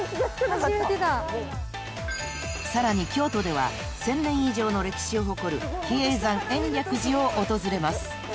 ［さらに京都では１，０００年以上の歴史を誇る比叡山延暦寺を訪れます］